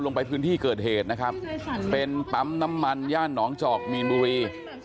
ลงไปพื้นที่เกิดเหตุนะครับเป็นปั๊มน้ำมันย่านหนองจอกมีนบุรี